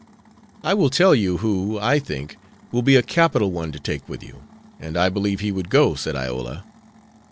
"I will tell you who, I think, will be a capital one to take with you, and I believe he would go," said Iola.